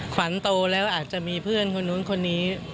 ขวัญโตแล้วอาจจะมีเพื่อนคนนู้นคนนี้